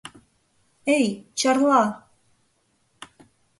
Эй, Чарла!